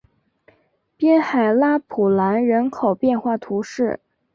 滨海拉普兰人口变化图示